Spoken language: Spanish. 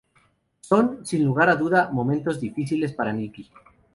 Son, sin lugar a duda, momentos difíciles para Nicky.